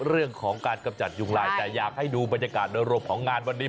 เรื่องของการกำจัดยุงลายแต่อยากให้ดูบรรยากาศโดยรวมของงานวันนี้